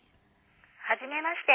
☎はじめまして。